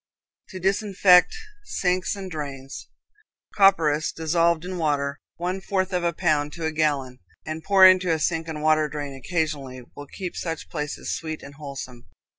To Disinfect Sinks and Drains. Copperas dissolved in water, one fourth of a pound to a gallon, and poured into a sink and water drain occasionally, will keep such places sweet and wholesome.